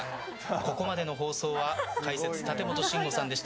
ここまでの放送は解説、立本信吾さんでした。